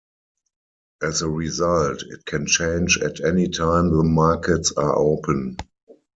As a result, it can change at any time the markets are open.